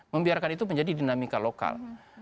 membiarkan itu menjadi dinamika lokal